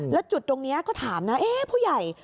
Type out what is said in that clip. แล้วจุดตรงนี้ก็ถามนะผู้ใหญ่